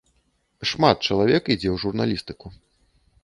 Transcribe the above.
Шмат чалавек ідзе ў журналістыку.